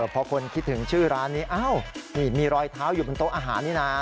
พอคนคิดถึงชื่อร้านนี้อ้าวนี่มีรอยเท้าอยู่บนโต๊ะอาหารนี่นะ